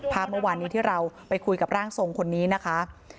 ภาพเมื่อวานนี้ที่เราไปคุยกับร่างทรงคนนี้นะคะ